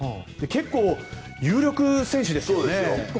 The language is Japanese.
結構有力選手ですよね。